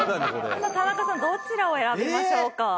さあ田中さんどちらを選びましょうか？